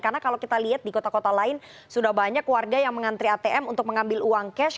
karena kalau kita lihat di kota kota lain sudah banyak warga yang mengantri atm untuk mengambil uang cash